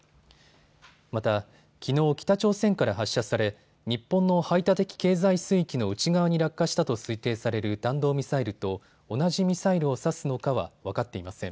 また、きのう北朝鮮から発射され日本の排他的経済水域の内側に落下したと推定される弾道ミサイルと同じミサイルを指すのかは分かっていません。